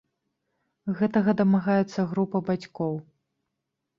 Гэтага дамагаецца група бацькоў.